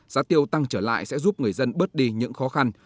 giá tiêu tăng trở lại sẽ giúp người dân bớt đi những khó khăn